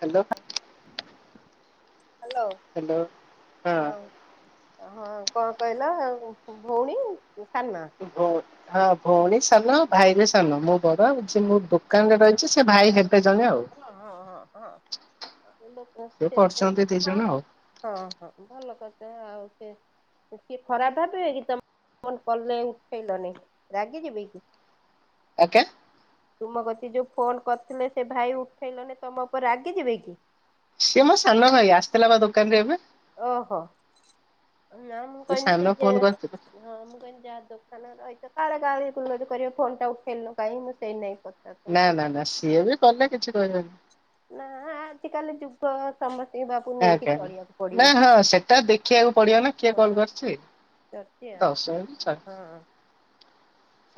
Hello. Hello ହଁ ଅ ହଁ। କଣ କହିଲ ଭଉଣୀ ସାନ? ଭ ହଁ ଭୋଉଣୀ ସ୍ ତାନ ଭାଇ ବି ସାନ ମୁଁ ବଡ ଉଛି ମଁ ଦୋକାନରେ ରହିଛି ସେ ଭାଇ ହେ ହଁ ହଁ ହଁ ହଁ ସେ ପଢୁଛନ୍ତି ଦି ଜଣ ଆଉ ହଁ ହଁ ଭଲ କ ତା ଆଉ ସେ କିଏ ଖରାପ ଭାବିବେ କି ତମ ଫନ୍ କଲେ ଉଠେଇ ଲନି ରାଗି ଯିବେ କି? ଆଜ୍ଞା? ତୁମ କତି ଯୋଉ ଫୋନ କରିଥିଲେ ସେ ଭାଇ ଉଠେଇଲନି ତମ ଉପରେ ରାଗି ଯିବେ କି? ସିଏ ମୋ ସାନ ଭାଇ ଆସିଥିଲା ବା ଦୋକାନ ରେ ଏବେ। ଓହୋ। ନାଁ ମୁଁ କଇନି ସାନ ସେ ଯା ଫୋନ କରିଥିଲେ ହଁ ମୁଁ କଇନି ଯାହା ଦୋକାନରେ ରଇଥା କାଳେ ଗାଳି ଗୁଲୋଜ୍ କରିବ ଫୋନ୍ ଟା ଉଠେଇଲୁନୁ କାଇଁ ମୁଁ ସେଇ ନାଗି କ କଥନି ନା ନା କଥା ନା ସିଏ ବି କଲେ କିଛି କହିବେନି ନା ଆଜିିକାଲି ଯୁଗ ସମ ସେ ବାପକୁ ନେଇକି ଆଜ୍ଞା ଆଜ୍ଞା। ଚଳିବାକୁ ନା ପଡିବ। ହଁ ସେଟା ଦେଖିବାକୁ ପଡିବ ନା କିଏ କଲ ହଁ କରିଛି। ଚାଲିଛି ଦଶ ହେଲେ ଆଉ ଚଳିବ।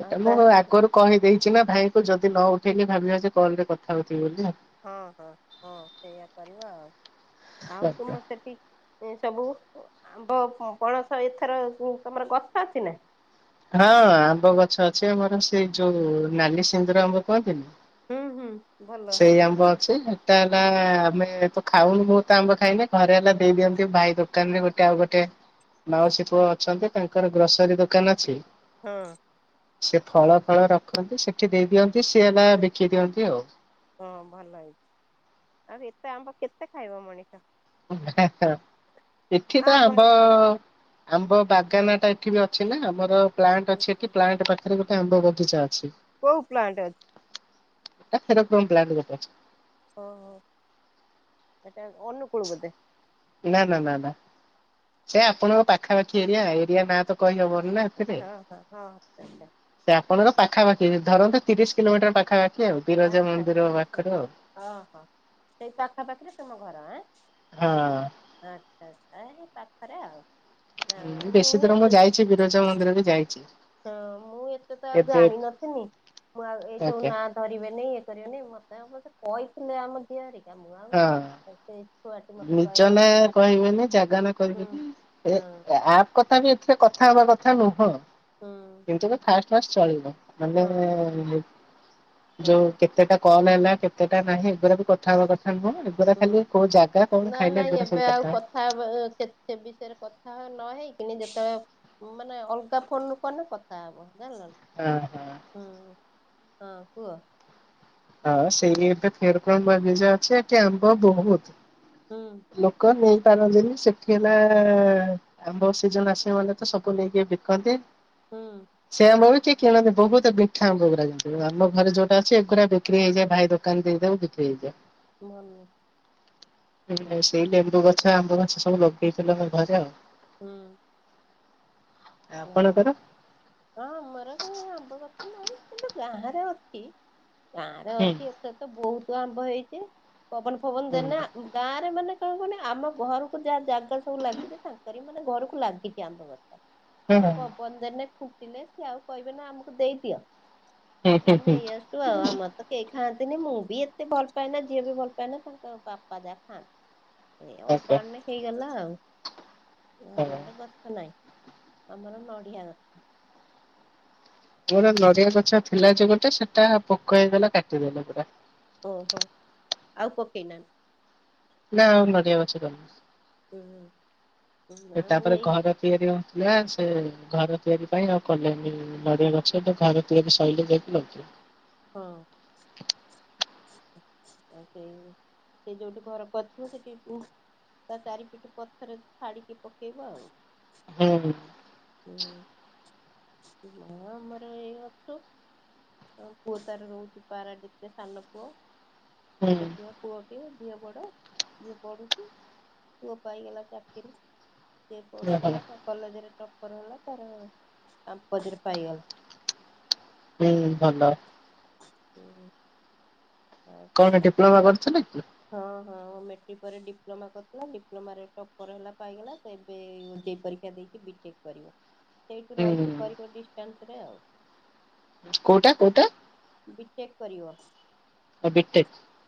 ହଁ ତା ମୁଁ ଆଗରୁ କହିଦେଇଛି ନା ଭାଇଙ୍କୁ ଯଦି ନ ଉଠେଇକି ଭାବିବ ଯେ କଲ ରେ କଥା ହଉଥିବି ବୋଲି ମୁଁ। ହଁ ହଁ ହଁ ସେଇଆ କରିବ ଆଉ। ଆଉ ବୋଲି। ତୁମ ସେଠି ଇଁଁ ସବୁ ଆମ୍ବ ପଣସ ଏଥର ତମର ଗଛ ଅଛି ନା? ହଁ ଆମ୍ବ ଗଛ ଅଛି ଆମର ସେଇ ଯୋଉ ନାଲି ସିନ୍ଦୁର ଆମ୍ବ କୁହନ୍ତିନି? ହୁଁ ହୁଁ ଭଲ ସେଇ ଆମ୍ବ ଅଛି। ହେଲା ଆମେ ତ ଖାଉନୁ ବହୁତ ଆମ୍ବ ଖାଇଲେ ଘରେ ହେଲା ଦେଇଦିଅନ୍ତି। ଭାଇ ଦୋକାନ ରେ ଗୋଟେ ଆଉ ଗୋଟେ ମାଉସୀ ପୁଅ ଅଛନ୍ତି ତାଙ୍କର ଗ୍ରୋସରୀ ଦୋକାନ ଛି ହଁ। ସେି ଫଳ ଫଳ ରଖନ୍ତି। ସେଠି ଦେଇ ଦିଅନ୍ତି ସିଏ ହେଲା ବିକି ଦିଅନ୍ତି ଆଉ। ହଁ ଭଲ ହେଇଛି ଆଉ ଏତେ ଆମ୍ବ କେତେ ଖାଇବ ମଣିଷ। ଏଠି ତ ଆମ୍ବ ଆମ୍ୱ ଆମ୍ବ ବାଗାନ ଟା ଏଠି ବି ଅଛି ନା ଆମର ପ୍ଲାଣ୍ଟ ଅଛି ଏଠ ପ୍ଲାଣ୍ଟ ପାଖରେ ଆମ୍ୱ ବଗିଚା ଅଛି। କୋଉ ପ୍ଲାଣ୍ଟ ଅ ପ୍ [unintelligible] ହ ହ ଏଟା ଓନୁ କୁଳୁ ବଧେ ନା ନା ନା ନା ସେ ଆପଣଙ୍କ ପାଖାପାଖି ଏରିଆ ଏରିଆ ନାଁ ତ କହିହବ ଏଥିରେ ହଁ ହଁ ହଁ ଆଚ୍ଛା ସେ ଆପଣଙ୍କ ପାଖାପାଖି ଧରନ୍ତୁ ତିରିଶି କିଲୋମିଟର ପାଖା ଆଚ୍ଛା ଆଚ୍ଛା ହଁ ହଁ ଅଂହୋ ସେଇ ପାଖାପାଖିରେ ସେ ଘର ଏଁ ହଁ ଆଚ୍ଛା ଆଛା ଆଏ ପାଖରେ ଆଉ ନା ମୁଁ ବେଶୀ ଦୂର ଏତେ ଯାଇଛି ବିରଜା ମନ୍ଦିର ବି ଯାଇଛି। ହଁ ମୁଁ ଏତେ ତ ଆଉ ଏବେ ଜାଣିନଥିନି ମୁଁ ଆଉ ଏଇ ଯୋଉ ଆଜ୍ଞା ନା ନା ନା ନାଇ ଇଏକରିବାନି ମତେ ମତେ କହିଥିଲେ ଆମ ଝିଆରି ତା ମୁ ଆଉ ହଁ ଏତେ ନିଜ ନା କହିବେନି ଜାଗା ନା ହୁଁ କହିବେନି ହଁ ଏ ଆପ୍ କଥା ବି ଏଥିରେ କଥା ହେବା କଥା ନୁହଁ ହୁଁ କିନ୍ତୁ ତ ଫାଷ୍ଟ୍ ଫାଷ୍ଟ ଚଳିବ ମାନେ ହଁ ଯୋଉ ହଁ କେତେଟା କଲ ହେଲା କେତେଟା ନାହିଁ ଏଗୁରା ବି କଥା ହବା କଥା ହଁ ଏଗୁଡ଼ା ହୁଁ। ଖାଲି କୋଉ ଜାଗା ନା ଖାଇଲେ ନାଇଁ ଏଗୁରା ଏବେ ସବୁ ଆଉ କଥା ହବା ସେ ବିଷୟରେ କଥା ନ ହେଇକିନି ଯେତେବେଳେ ମାନେ ଅଲଗା ଫୋନ ରୁ କନେ କଥା ହବ। ଜନିଲା ନା ହଁ ହଁ। ହଁ। ହଁ କୁହ। ହଁ ସେଇ ଏବେ ଫେର [unintelligible] ଯେ ଅଛି ସେଠି ଆମ୍ବ ବହୁତ। ହୁଁ ଲୋକ ନେଇ ପାରନ୍ତିନି ସେଠି ହେଲା ଆମ୍ବ ସିଜିନ ଆସିବ ମାନେ ତ ସବୁ ନେଇକି ବିକନ୍ତି। ହୁଁ ସେମ ହଉଛି। କିଣନ୍ତି ବହୁତ ମିଠା ଆମ୍ବ ଗୁଡାକ ଆମ ଘରେ ଯୋଉଟା ଅଛି ଏଗୁଡ଼ା ବିକ୍ରି ହେଇଯାଏ ଭାଇ ଦୋକାନ ଦେଇଦଉ ବିକ୍ରି ହେଇଯାଏ। ମନି। ହଁ ସେଇ ଲେମ୍ବୁ ଗଛ ଯା ଆମ୍ୱ ଗଛ ସବୁ ଲଗେଇଥିଲେ ଆମ ଘରେ ଆଉ। ହୁଁ। ଆପଣଙ୍କର? ହଁ ଆମର ସେଇ ଆମ୍ବ ଗ ଗାଁ ରେ ଅଛି। ଗାଁରେ ହୁଁ ଅଛି ଏତେ ତ ବହୁ ପୁଅ ଆମ୍ବ ହେଇଛି। ପବନ ଫବନ ହୁଁ ଦେଲେ ଗାଁରେ ମାନେ କଣ କୁହନି ଆମ ଘରକୁ ଯାହା ଜାଗା ସବୁ ଲାଗିଛି ତାଙ୍କରି ମାନେ ଘରକୁ ଲାଗିଛି ଆମର ଆମ୍ବ ଗଛଟା। ହଁ ଏଇ ହଁ ପବନ ଦେନେ ଖୁଣ୍ଟି ଲେ ସେ ସିଏ ଆଉ କହିବେ ନା ଆମକୁ ଦେଇଦିଅ? ହୁଁ ହୁଁ ନେଇ ଆଶୁଚୁ ଆଉ ଆମର ତ କେହି ଖାଆନ୍ତିନି ମୁଁ ବି ଏତେ ଭଲ ପାଏ ନା ଝିଅ ବି ଭଲ ପାଏନା ତାଙ୍କ ବାପା ଯାହା ଖାଆନ୍ତି। ଏଇ ଓକେ ଅଳ୍ପ ଆଣିଲେ ହେଇଗଲା ଆଉ। ହଁ ଆମର ଗଛ ନାହିଁ। ଆମର ନଡିଆ ଗଛ। ମୋର ନଡ଼ିଆ ଗଛ ଥିଲା ଯେ ଗୋଟେ ସେଟା ପୋକ ହେଇଗଲା କାଟିଦେଲା ପୁରା। ଓହୋ ଆଉ ପକେଇ ନା? ନା ଆଉ ନଡ଼ିଆ ଗଛ ରହି ହୁଁ ହୁଁ ନା ନି। ମୁଁ ତାପରେ ଏଇ ଘର ତିଆରି ହୋଉଚି। ନା ସେ ଘର ତିଆରି ପାଇଁ ଆଉ କଲେଣିି ନଡ଼ିଆ ଗଛ ତ ଘର ତିଆରି ସରିଲେ ଯାଇକି ଆଉ। ହଁ। ଆଉ ସେଇ ସେ ଯୋଉଠି ଘର କରିଥିବ ସେଠି ତା ଚାରିପିଠ ପଥର ଛାଡିକି ପକେଇବ ଆଉ। ହୁଁ। ହୁଁ ମା ଆମର ଏଇ ଅଛୁ ପୁଅ ତାର ରହୁଛି ପାରାଦୀପ ରେ ରହୁଛି ସାନ ପୁଅ। ହୁଁ [unintelligible] ପୁଅ ଝିଅ ବଡ଼ ଝିଅ ପଢୁଛି ପୁଅ ପାଇଗଲା ଚାକିରି। ସିଏ ଓହୋ ପଢୁଥିଲା ତା କଲେଜରେ ଟପର ହେଲା ତାର ଆମ୍ପତିରେ ପାଇଗଲା। ହୁଁ ଭଲ। ହୁଁ। ହ କଣ ଡିପ୍ଲୋମା କରିଥିଲେ କି? ହଁ ହଁ। ଡିପ୍ଲୋମା କରିଥିଲା ଡିପ୍ଲୋମାରେ ଟପର ହେଲା ପାଇଗଲା ତ ଏବେ ଓଜେଇ ପରୀକ୍ଷା ଦେଇକି ବିଟେକ୍ କରିବ। ସେଇଠୁ ହୁଁ ରହିକି କରିବ ବ୍ୟାଙ୍କ ରେ ଆଉ। କୋଉଟା କୋଉଟା। ବିଟେକ୍ କରିବ। େ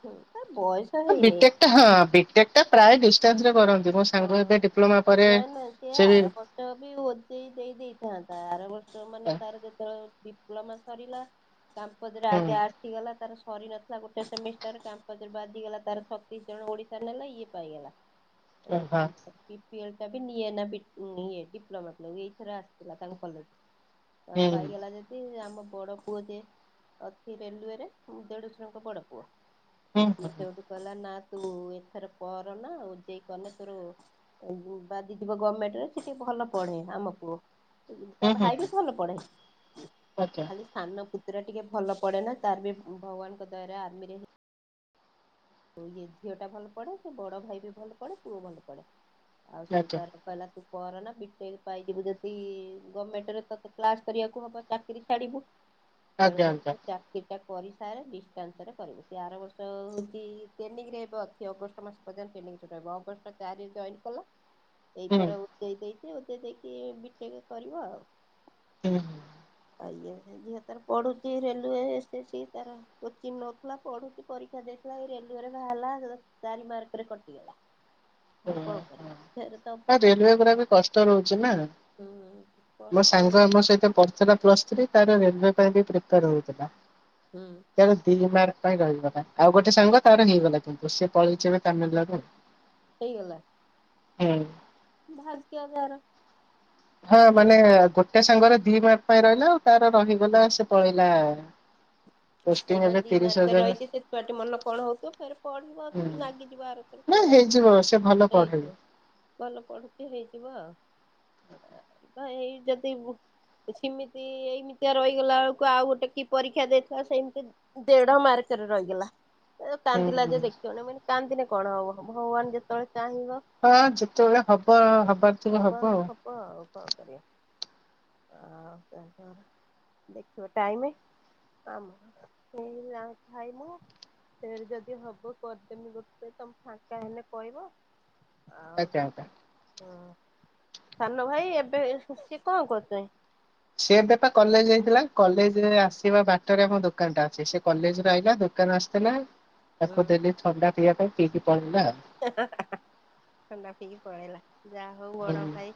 ହୁଁ ତାର ବୟସ ହେଇନି ବିଟେକ ହଁ ବିଟଟେକ ଟା ପ୍ରାୟ ଚା କରନ୍ତି। ମୋ ହଁ ସାଙ୍ଗ ଏବେ ଡିପ୍ଲୋମା ପରେ ନା ନା ସେ ଆର ବର୍ଷ ବି ଓଜେଇ ଦେଇ ଦେଇଥାନ୍ତା ଆର ବର୍ଷ ମାନେ ହୁଁ ତାର ଯେତେବେଳେ ଡିପ୍ଲମା ସରୀଲା କ୍ୟମ୍ପଜରେ ହଁ ଆଗେ ଆସିଗଲା ତାର ସରି ନଥିଲା ଗୋଟେ ସେମିଷ୍ଟାର କ୍ୟାମ୍ଫସ ରେ ବାଜିଗଲା ତ ଛତିଶ ଜଣ ଓଡିଶା ନେଲା ଇଏ ପାଇଗଲା। ହଁ [unintelligible] ଫିଲ୍ଡା ବି ନିଏ ନା ଡିପଲୋମା ଇଥର ଆସିଥିଲା ତାଙ୍କ କଲେଜ କୁ। ଆ ହୁଁ ପାଇଗଲା ଯଦି ଆମ ବଡ ପୁଅ ଜିଏ ଅଛି ରେଲୱେରେ ଦେଢଶୁରଙ୍କ ବଡ ପୁଅ। ହୁଁ [unintelligible] ହୁଁ ମୁଁ ଏଥର ପର ନା ସେଇ କଲେଜ ରୁ ବାଜିଯିବ ଗମେଣ୍ଟରେ ସେ ଟିକେ ଭଲ ପଢେ ଆମ ପୁଅ। ତା ହୁଁ ହୁଁ ଭାଇ ହୁଁ ବି ଭଲ ପଢେ। ଆଜ୍ଞା ଖାଲି ସାନ ପୁ ପତୁରା ଟିକେ ଭଲ ପଢେ ନା ତାର ବି ଭଗବାନଙ୍କ ଦୟାରେ ଆର୍ମି ରେ ହେଇ ଆଉ ଇଏ ଝିଅଟା ଭଲ ପଢ଼େ ସେ ବଡ଼ ଭାଇ ବି ଭଲ ପଢ଼େ ପୁଅ ଭଲ ପଢ଼େ। ଆଉ ସିଏ ଆଜ୍ଞା ତାର କହିଲା ତୁ କରନା ପିପେଲ ପାଇଯିବୁ ଯଦି ଗମେଣ୍ଟରେ ତତେ କ୍ଲାସ କରିବାକୁ ହବ ଚାକିରୀ ଛାଡିବୁ। ଆଜ୍ଞା ତେଣୁକରି ଆଜ୍ଞା ସେ ଚାକିରୀ ଟା କରିସାରେ ଡିଷ୍ଟାନ୍ସରେ କରିବୁ, ସେ ଆର ବର୍ଷ ଅ ଏଇ ଟ୍ରେନିଙ୍ଗ ଏବେ ଅଛି ଅଗଷ୍ଟ ମାସ ପର୍ଯ୍ୟନ୍ତ ଟ୍ରେନିଙ୍ଗ ରହିବ, ଅଗଷ୍ଟ ଚାରି ରେ ଜଏନ୍ କଲା। ଏଇ ହୁଁ ଥର ଉତେଇ ଦେଇ ସେ ଉତେ ଦେଖି ବିଟେକ କରିବ ଆଉ। ହୁଁ। ଆଉ ଇଏ ତାର ପଢୁଛି ରେଲୱ ଷ୍ଟେସି ତାର କୋଚିଂ ନଉଥିଲା ପଢୁଛି ପରୀକ୍ଷା ଦେଇ [unintelligible] ରେଲୱେ ରେ ବାହାରିଲା ଯେତେବେଳେ ଚାରି ମାର୍କ ରେ କଟିଗଲା। ଆଉ ଓହୋ କଣ କରିବ ଫେରେ ଦବ ହଁ ତାର କଣ ରେଲୱେ ପୁରା ବି କଷ୍ଟ ରହୁଛି ନା, ହୁଁ ମୋ କଷ୍ଟ ସାଙ୍ଗ ହଉଛି ଆମ ସହିତ ପଢିଥିଲା ପ୍ଲସ ଥ୍ରୀ ତାର ରେଲୱେ ପାଇଁ ବି ପ୍ରିପାର ହଉଥିଲା। ହୁଁ ତାର ଦି ମାର୍କ ପାଇଁ ରହିଗଲା। ଆଉ ଗୋଟେ ସାଙ୍ଗ ତାର ହେଇଗଲା। ପୁପୁ ସେ ପଳେଇଛି ନା ତାମିଲନାଡୁ। ହେଇଗଲା। ହୁଁ। ଭାଗ୍ୟ ଯାର। ହଁ ମାନେ ଗୋଟେ ସେ ସାଙ୍ଗର ଦି ଭାଗ ପାଇଁ ରହିଲା ଆଉ ତାର ରହିଗଲା ସେ ପଳେଇଲା ଆ ସେଇବା ଦି ମାର୍କରେ ରହିଛି ସେ ଛୁଆ ଟି ମନ କଣ ହଉଥିବ ପରେ ପଢିବ ହୁଁ ଲାଗିଯିବ ଆର ନା ଥରକୁୁ ଆଉ ହେଇଯିବ ସେ ଭଲ ପଢେ। ହେଇଯିବ ଭଲ ପଢୁଛି ହେଇଯିବ ଆଉ। ଏଇ ଯଦି ବୁ ସେମିତି ଏଇମିତିଆ ରହିଗଲା ବେଳକୁ ଆଉ ଗୋଟେ କି ପରୀକ୍ଷା ଦେଇ ଛୁଆ ସେମିତି ଦେଢ ମାର୍କରେ ରହିଗଲା। ଏଇ ଯୋଉ ହୁଁ କାନ୍ଦିଲା ଯେ ଦେଖିବନି ମୁଁ କହିଲି କାନ୍ଦିଲେ କଣ ହବ ଭଗବାନ ଯେତେବେଳେ ଚାହିଁବ ହଁ ଯେତେବେଳେ ହବ ଅ ହବାର ଥିବ ହବ ଆଉ। କଣ କରିବା ଆଉ ତାପରେ ଦେଖିବ ଟାଇମ୍। ଆ ହେଇ ଖାଇମୁ ସେ ଯଦି ହବ କରିଦେମି ଗୋଟେ ତମେ ଫାଙ୍କା ହେଲେ କହିବ। ଆଉ ଆଜ୍ଞା ଆଜ୍ଞା। ହଁ ସାନ ଭାଇ ଏବେ ସିଏ କଣ କରୁଛନ୍ତି? ସେ ଏବେ ପା କଲେଜ ଯାଇଥିଲା କଲେଜରେ ଆସିବା ବାଟରେ ଆମ ଦୋକାନ ଟା ଅଛି ସେ କଲେଜରୁ ଆଇିଲା ଦୋକାନ ଆସିଥିଲା। ହୁଁ ତାକୁ ଦେଲି ଥଣ୍ଡା ପିଇବା ପାଇଁ। [unintelligible] ହା ହା ହା ଥଣ୍ଡା ପିଇକି ପଳେଇଲା। ଯାହା ହଉ ବଡ ହୁଁ ଭାଇ।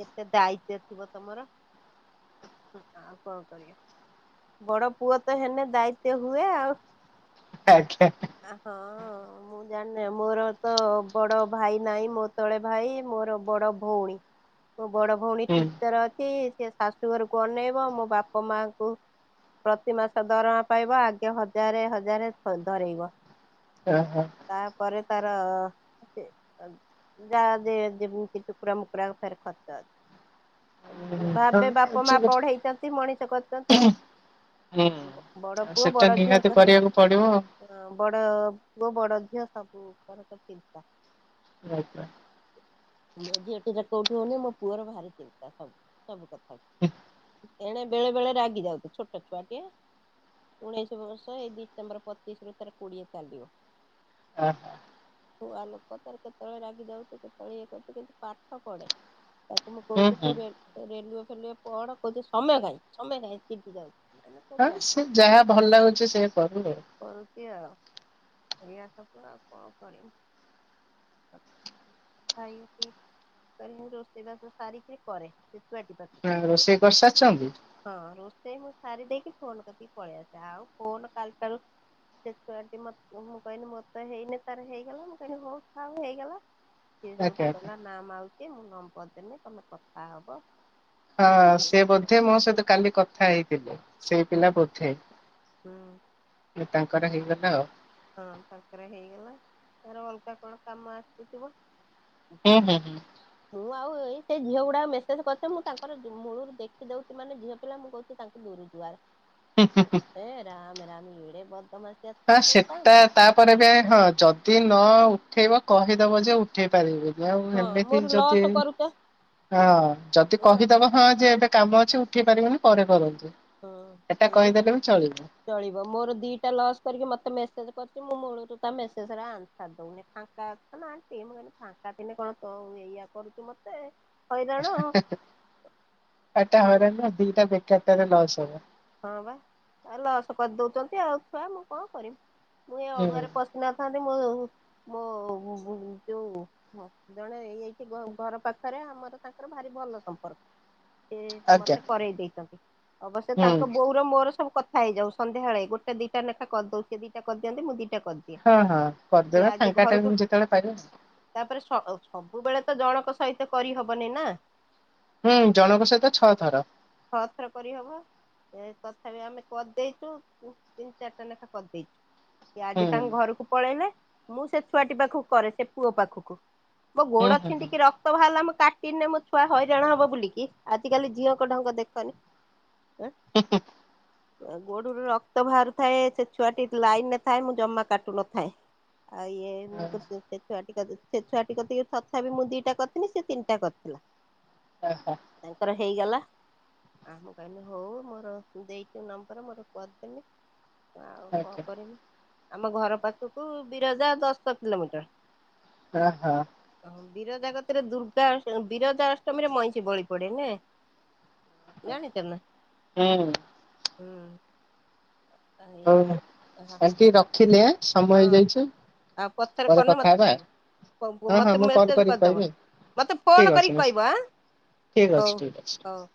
କେତେ ଦାୟିତ୍ୱ ଥିବ ତମର ଆଉ କଣ କରିବା ବଡ ପୁଅ ତ ହେଲେ ଦାୟିତ୍ଵ ହୁଏ ଆଉ। ଆଜ୍ଞା ଆ ହଁ। ମୁଁ ଜାଣି ନାଇଁ। ମୋର ତ ବଡ ଭାଇ ନାଇ ମୋ ତଳେ ଭାଇ ମୋର ବଡ ଭଉଣୀ। ମୋ ବଡ ଭଉଣୀ ହୁଁ ଟିଚର ଅଛି। ସେ ଶାଶୁଘରକୁ ଅନେଇବ ମୋ ବାପ ମାଙ୍କୁ ପ୍ରତି ମାସ ଦରମା ପାଇବ ଆଗେ ହଜାରେ ହଜାରେ ଧରେଇବ। ହଁ ହଁ। ତାପରେ ତାର ଯାହା ଯେମିତି ଟୁକୁଡ଼ା ମୁକୁଡ଼ା ଫେରେ ଖର୍ଚ୍ଚ ଅଛି। ଭାବେ ବାପ ମା ହୁଁ। ପଢେଇଛନ୍ତି ମଣିଷ କରିଛନ୍ତି ବଡ ଆଉ ପୁଅ ସେଟା ବଡ ନିହାତି ଝିଅଙ୍କର କରିବାକୁ ପଡିବ ଆଉ ବଡ ପୁଅ ବଡ ଝିଅ ସବୁ ଉପର ତ ଚିନ୍ତା। ଆଜ୍ଞା। [unintelligible] [unintelligible] ମୋ ପୁଅର ଭାରି ଚିନ୍ତା ହୋଉ ସବୁ କଥା। ଏଣେ ବେଳେ ବେଳେ ରାଗି ଯାଉଚି ଛୋଟ ଛୁଆଟିଏ ଉଣେଇଶି ବର୍ଷ ଏଇ ଡିସେମ୍ବର ପଚିଶରୁ ତାର କୋଡିଏ ଚାଲିବ। ଆହ। ଛୁଆ ଲୋକ ତାର କେତେବେଳେ ରାଗିଯାଉଚି କେତେଳେ ଇଏ କରୁଚି କିନ୍ତୁ ପାଠ ପଢେ। ତାକୁ ମୁଁ ହୁଁ କହୁଚି ହୁଁ। ତୁ ରେ ରେଲୱେ [unintelligible] ପଢ କୋହୁଚି ସମୟ କାଇଁ ସମୟ କାଇଁ ଚିଡି ଯାଉଚି। ହଁ ଯେ ସେ ଯାହା ଭଲ ଲାଗୁଚି ସେୟା କରୁ ଆଉ। ଏଇଆ ଏଇଆ ସବ କୁ ଆଉ କଣ କରିମି ତାକୁ ଖାଇପିଇ କରିମି ରୋଷେଇବାସ ସାରିକିରି କରେ ସେ ଛୁଆଟି ପାଖକୁ। ହଁ ରୋଷେଇ କରିସାରଚନ୍ତି? ସେଇ ମୁଁ ସାରି ଦେଇକି ଫୋନ କତିକି ପଳେଇ ଆସେ ଆଉ ଫୋନ କାଲିଠାରୁ ସେ ଛୁଆଟି ମତ୍ ମୁଁ କହିନି ମୋ ମୋର ତ ହେଇନେ ତାର ହେଇଗଲା ମୁଁ କହିନି ହୋଉ ଥାଉ ହେଇଗଲା। ସେ ଆଜ୍ଞା ସେଇଠୁ ଆଜ୍ଞା କହିଲା ନା ମାଉସ୍ ଏ ମୁଁ ନମ୍ବର ଦେମି ତମେ କଥା ହବ। ସିଏ ଭଲ ହଁ ସେ ପାଇବ ବୋଧେ ମୋ ସହିତ କାଲି କଥା ହେଇଥିଲେ। ସେଇ ହୁଁ ପିଲା ବୋଧେ ହୁଁ। ତାଙ୍କର ହେଇଗଲା ଆଉ। ହଁ ତାଙ୍କରେ ହେଇଗଲା ତାଙ୍କର ଅଲଗା କଣ କାମ ଆସିଥିବ। ହୁଁ ଉହୁଁ ହୁଁ ହୁଁ। ମୁଁ ଆଉ ଏଇ ସେ ଝିଅ ଗୁଡାକ ମେସେଜ୍ କରୁଚନ୍ତି ମୁଁ ତାଙ୍କର ଯ-ମୂଳରୁ ଦେଖି ଦୋଉଚି ମାନେ ଝିଅପିଲା ମୁଁ କୋହୁଚି ତାଙ୍କୁ ଦୂରୁ ଜୁହାର। ହେ ରାମେ ରା ଏଡ଼େ ବଦ୍ ବଦମାସିଆ ସବୁ। ତା କାହିଁକି ତାପରେ ଏବେ ହଁ ଯଦି ନ ହଁ ଉଠେଇବ କହିଦବ ଯେ ଉଠେଇ ପାରିବିି। ଆଉ ହଁ ଏମିତି ମୋର ଯଦି ଲସ୍ କରୁଛ ହଁ ଯଦି ଲସ୍ କହିଦବ ହଁ ଯେ ଏବେ କାମ ଅ ସେ ଉଠେଇ ପାରିବନି ପରେ କରନ୍ତୁ। ହଁ ଏଟା କହିଦେଲେ ଏଇଠି ବି ଚଳିବ ଚଳିବ ମୋର ଦିଟା ଲସ୍ କରିକି ମ ମତେ ମେସେଜ କରୁଚି ମୁଁ ମୂଳୁରୁ ତମ ମେସେଜର ଆନସାର୍ ଦୋଉନି ଫାଙ୍କା ଅଛ ନା ଆଣ୍ଟି ମୁଁ କହିନି ଫାଙ୍କା ଥିଲେ କଣ ତୋ ଏଇଆ କରୁଚୁ ମତେ। ହଇରାଣ ଏଟା ଆଉ ମୁଁ ହଇରାଣ ନା ଦିଟା ବେକାରଟାରେ ଲସ୍। ହବ। ହଁ ପା ଆଉ ଲସ କରିଦୋଉଚନ୍ତି ଆଉ ଛୁଆ ମୁଁ କଣ କରିମି? ମୁଁ ଏ ହୁଁ ଅଡୁଆରେ ପଶି ନଥାନ୍ତି ମୋ ମୋ ଉ-ଉ-ଯୋଉ ପୁଅ ଜଣେ ଏଇଠି ଘ-ଘର ପାଖରେ ଆମର ତାଙ୍କର ଭାରି ଭଲ ସମ୍ପର୍କ। ସେ ଆଜ୍ଞା ମତେ କରେଇ ଦେଇଚନ୍ତି। ହଁ ବା ସେ ହୁଁ। ତାଙ୍କ ବୋଉର ମୋର ସବୁ କଥା ହେଇଯାଉ ସନ୍ଧ୍ୟାବେଳେ। ଗୋଟେ ଦିଟା ନେଖା କରିଦଉ ସେ ଦିଟା କରିଦିଅନ୍ତି ମୁଁ ଦିଟା କରିଦିଏ ହଁ ହଁ ସେ କରିଦେବେ ଆଜି ଫାଙ୍କା ଟାଇମ୍ ଘରକୁ ଯେତେବେଳେ ପାଇବେ ତାପରେ ସ-ଅ-ସବୁବେଳେ ତ ଜଣଙ୍କ ସହିତ କରିହବନି ନା। ହୁଁ। ଜଣଙ୍କ ସହିତ ଛଅ ଥର ଛଅ ଥର କରିହବ। ଏ-ତଥାପି ଆମେ କରିଦେଇଛୁ ଉଁ ତିନି ଚାରିଟା ଲେଖା କରିଦେଇଛୁ। ସେ ହୁଁ ଆଜି ତାଙ୍କ ଘରକୁ ପଳେଇଲେ। ମୁଁ ସେ ଛୁଆଟି ପାଖକୁ କରେ ସେ ପୁଅ ପାଖକୁ। ମୋ ହୁଁ ଗୋଡ ହୁଁ ଛିଣ୍ଡିକି ରକ୍ତ ବାହାରଲା ମୁଁ ତାକ୍ ଦିନେ ମୋ ଛୁଆ ହଇରାଣ ହବ ବୁଲି କି ଆଜିିକାଲି ଝିଅ ଙ୍କ ରଙ୍ଗ ଢଙ୍ଗ ଦେଖନି। ହୁଁ ହୁଁ ହୁଁ। ଗୋଡରୁ ରକ୍ତ ବାହାରୁଥାଏ। ସେ ଛୁଆଟି ଲାଇନରେ ଥାଏ। ମୁଁ ଜମା କାଟୁ ନଥାଏ। ଆଉ ଇଏ ମୁଁ ହୁଁ [unintelligible] ସେ ଛୁଆଟି କତିକି ତଥାପି ମୁଁ ଦିଟା କରିଥିଲି ସେ ତିନିଟା କରିଥିଲା। ଓହୋ ତାଙ୍କର ହେଇଗଲା ଆଙ୍କୁ କହିଲି ହଉ ମୋର ଦେଇଛୁ ନମ୍ବର। ମୋର କରିଦେମେ। ଆଉ କଣ ଓକେ କରମି। ଆମ ଘର ପାଖକୁ ବିରଜା ଦଶ କିଲୋମିଟର। ଓ ହୋ। ବିରଜା କତିରେ ଦୁର୍ଗା ବିରଜା ଅଷ୍ଟମୀରେ ମଇଁଷି ବଳି ପଡେ ନୁହେଁ। ଜାଣିଛ ନା। ହୁଁ। ହୁଁ। ଏଇ ଓହୋ ଆଣ୍ଟି ରଖିଲି ଆଁ। ସମୟ ହଁ ହେଇଯାଇଛି ଆଉ ପଥରେ ପରେ ପଡିନେ କଥା ମତେ ହବା। କହିବ ହଁ ହଁ ମତେ ମୁଁ କଲ୍ ମେସେଜ କରିକି କରିଦବ କହିବି ମତେ ଫୋନ ଠିକ୍ ଅଛି କରିକି ମିସ୍ କହିବ ଆଁ ଠିକ୍ ହଉ ଅଛି ଠିକ୍ ଅଛି। ହଉ।